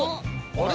あれ？